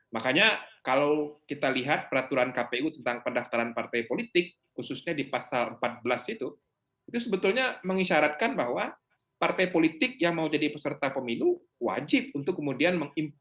makanya kalau kita lihat peraturan kpu tentang pendaftaran partai politik khususnya di pasal empat belas itu itu sebetulnya mengisyaratkan bahwa partai politik yang mau jadi peserta pemilu wajib untuk kemudian mengimpor